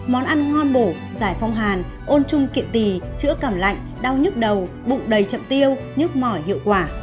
món ăn ngon bổ giải phong hàn ôn chung kiện tì chữa cảm lạnh đau nhức đầu bụng đầy chậm tiêu nhức mỏi hiệu quả